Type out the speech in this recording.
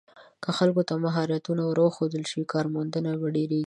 که خلکو ته مهارتونه ور وښودل شي، کارموندنه ډېریږي.